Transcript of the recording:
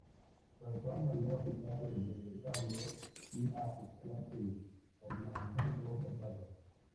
Fray Juan mandó a pintar el retablo y a instalar el ornamento bordado.